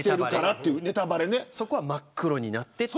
そこは真っ黒になっている。